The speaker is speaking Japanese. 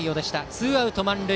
ツーアウト、満塁。